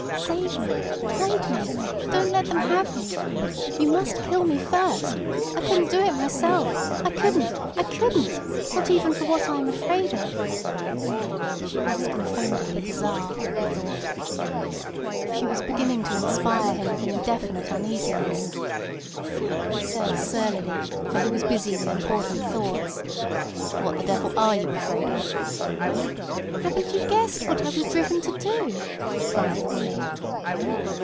"Save me. Hide me. Don't let them have me. You must kill me first. I couldn't do it myself—I couldn't, I couldn't—not even for what I am afraid of." She was confoundedly bizarre, he thought. She was beginning to inspire him with an indefinite uneasiness. He said surlily, for he was busy with important thoughts: "What the devil are you afraid of?" "Haven't you guessed what I was driven to do!" cried the woman.